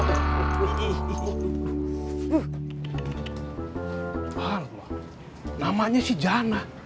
alhamdulillah namanya si jana